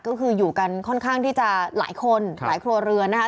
ก็คืออยู่กันค่อนข้างที่จะหลายคนหลายครัวเรือนนะคะ